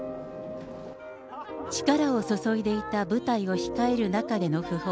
力を注いでいた舞台を控える中での訃報。